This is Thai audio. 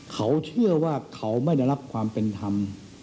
เขาเชื่อว่าเขาไม่ได้รับความเป็นธรรม